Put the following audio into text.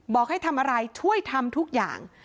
บอกให้ทำอะไรช่วยทำทุกอย่าง